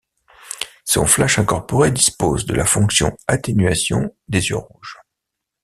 Son flash incorporé dispose de la fonction atténuation des yeux rouges.